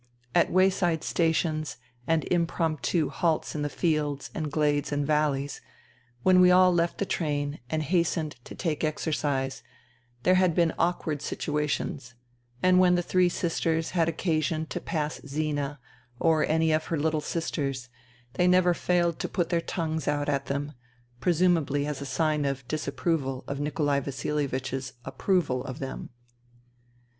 At wayside stations and impromptu halts in fields and glades and valleys, when we all left the train INTERVENING IN SIBERIA 175 and hastened to take exercise, there had been awkward situations ; and when the three sisters had occasion to pass Zina or any of her httle sisters they never failed to put out their tongues at them — presumably as a sign of disapproval of Nikolai Vasilievich's approval of them.